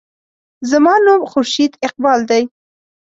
زما نوم خورشید اقبال دے.